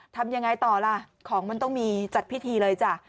ทำยังไงต่อล่ะของมันต้องมีจัดพิธีเลยจ้ะ